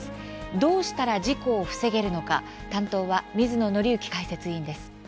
どうしたら事故を防げるのか担当は水野倫之解説委員です。